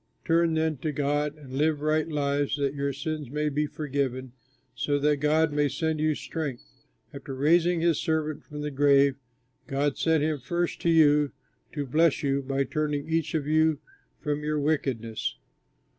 Turn then to God and live right lives that your sins may be forgiven, so that God may send you strength. After raising his Servant from the grave, God sent him first to you to bless you by turning each of you from your wickedness."